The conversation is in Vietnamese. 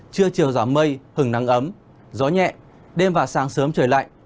trưa chiều giảm mây hứng nắng ấm gió nhẹ đêm và sáng sớm trời lạnh